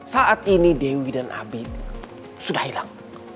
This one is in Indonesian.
saat ini dewi dan abid sudah hilang